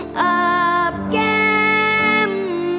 อาบแก้ม